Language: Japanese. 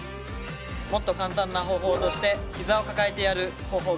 もっと簡単な方法として膝を抱えてやる方法があります。